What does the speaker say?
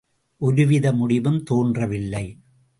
ஒரு வித முடிவும் தோன்றவில்லை.